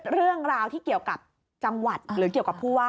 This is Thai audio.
เรื่องราวที่เกี่ยวกับจังหวัดหรือเกี่ยวกับผู้ว่า